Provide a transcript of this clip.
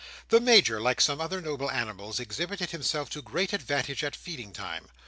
The Major, like some other noble animals, exhibited himself to great advantage at feeding time.